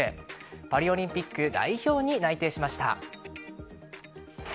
パリオリンピック代表に内定しました。